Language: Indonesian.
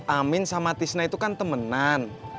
amin sama tisna itu kan temenan